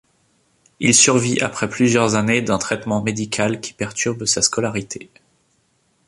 Il survit après plusieurs années d'un traitement médical qui perturbe sa scolarité.